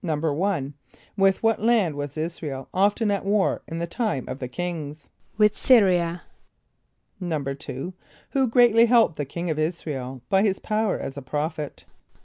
= With what land was [)I][s+]´ra el often at war in the time of the Kings? =With S[)y]r´[)i] [.a].= =2.= Who greatly helped the king of [)I][s+]´ra el by his power as a prophet?